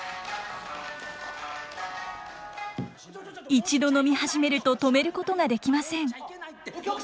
一度飲み始めると止めることができません。